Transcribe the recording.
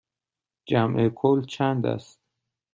جمع کل چند است؟